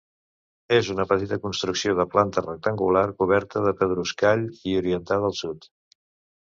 És una petita construcció de planta rectangular coberta de pedruscall i orientada al Sud.